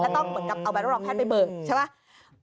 แล้วต้องเอาแบร์ลักษณ์รองแพทย์ไปเบิกใช่ไหม